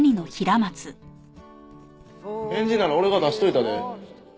返事なら俺が出しといたで。